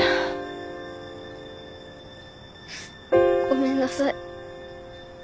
ごめんなさい。